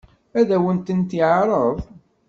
Ad awen-tent-yeɛṛeḍ?